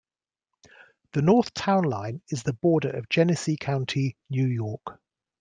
The north town line is the border of Genesee County, New York.